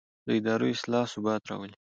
د ادارو اصلاح ثبات راولي